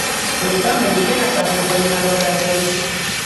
لطفاً ممکن است ابروهای مرا بردارید؟